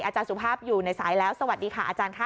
สุภาพอยู่ในสายแล้วสวัสดีค่ะอาจารย์ค่ะ